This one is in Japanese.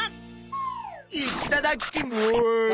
いっただっきます！